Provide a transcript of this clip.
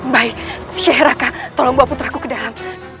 baik syekh raka tolong bawa putraku ke dalam